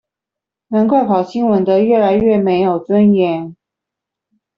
難怪跑新聞的越來越沒尊嚴